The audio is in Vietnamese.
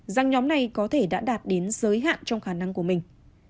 rằng nhóm này có thể đã đạt đến giới hạn trong khả năng của mình